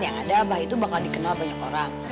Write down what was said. yang ada bah itu bakal dikenal banyak orang